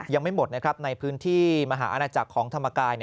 ยังไม่หมดนะครับในพื้นที่มหาอาณาจักรของธรรมกาย